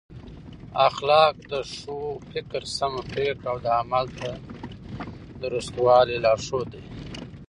اخلاق د ښو فکر، سمه پرېکړه او د عمل د درستوالي لارښود دی.